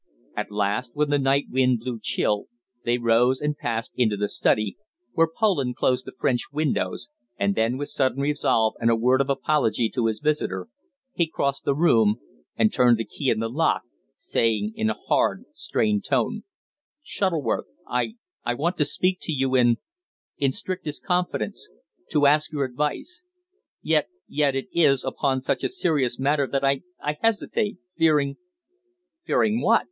At last, when the night wind blew chill, they rose and passed into the study, where Poland closed the French windows, and then, with sudden resolve and a word of apology to his visitor, he crossed the room and turned the key in the lock, saying in a hard, strained tone "Shuttleworth, I I want to speak to you in in strictest confidence to ask your advice. Yet yet it is upon such a serious matter that I hesitate fearing " "Fearing what?"